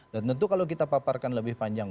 dan tentu kalau kita paparkan lebih panjang